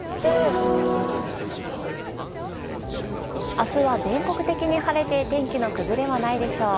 明日は全国的に晴れて天気の崩れはないでしょう。